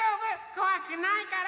こわくないから。